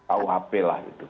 auhp lah itu